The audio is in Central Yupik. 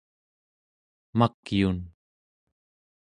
makyun